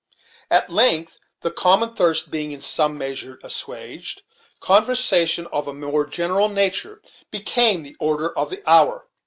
At length the common thirst being in some measure assuaged, conversation of a more general nature became the order of the hour.